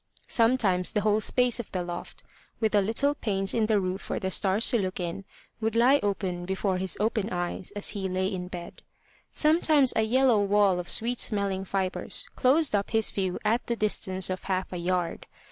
Sometimes the whole space of the loft, with the little panes in the roof for the stars to look in, would lie open before his open eyes as he lay in bed; sometimes a yellow wall of sweet smelling fibres closed up his view at the distance of half a yard.